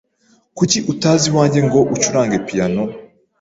Kuki utaza iwanjye ngo ucurange piyano?